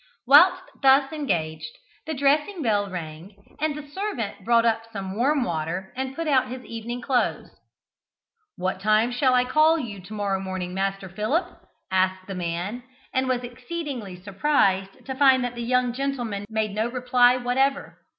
Whilst thus engaged, the dressing bell rang, and the servant brought up some warm water and put out his evening clothes. "What time shall I call you to morrow morning, master Philip?" asked the man, and was exceedingly surprised to find that the young gentleman made no reply whatever.